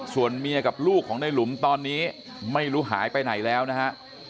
ส่วนเมียกับลูกของในหลุมตอนนี้ไม่รู้หายไปไหนแล้วนะฮะ